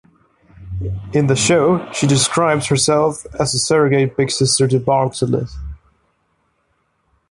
In the show, she describes herself as a surrogate big sister to Bartlet.